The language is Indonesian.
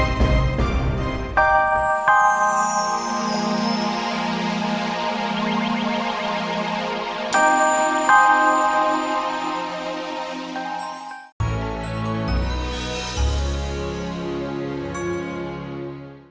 aku akan menjaga riri